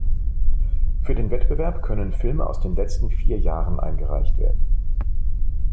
Für den Wettbewerb können Filme aus den letzten vier Jahren eingereicht werden.